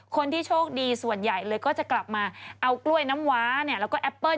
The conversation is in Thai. คนที่โชคดีส่วนใหญ่เลยก็จะกลับมาเอากล้วยน้ำว้าแล้วก็แอปเปิ้ล